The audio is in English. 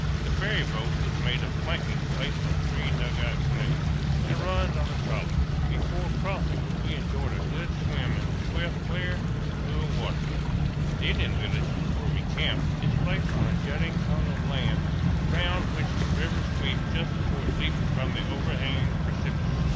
The ferry boat is made of planking placed on three dugout canoes, and runs on a trolley. Before crossing we enjoyed a good swim in the swift, clear, cool water. The Indian village, where we camped, is placed on a jutting tongue of land round which the river sweeps just before it leaps from the over hanging precipice.